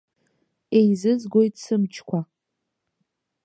Еизызгоит сымчқәа.